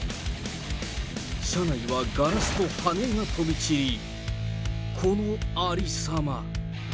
車内はガラスと羽根が飛び散り、このありさま。